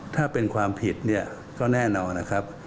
ถ้าเป็นความผิดเนี่ยก็แน่นอนนะครับ